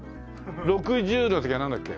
６０の時はなんだっけ？